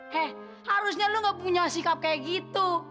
hei harusnya lo gak punya sikap kayak gitu